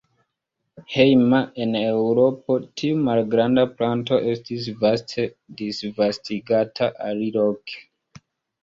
Hejma en Eŭropo, tiu malgranda planto estis vaste disvastigata aliloke.